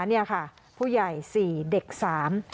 เนี่ยค่ะผู้ใหญ่สี่เด็กสาม